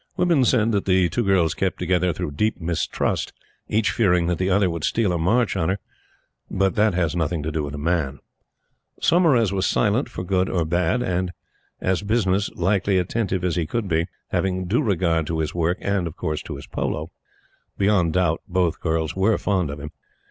Women said that the two girls kept together through deep mistrust, each fearing that the other would steal a march on her. But that has nothing to do with a man. Saumarez was silent for good or bad, and as business likely attentive as he could be, having due regard to his work and his polo. Beyond doubt both girls were fond of him.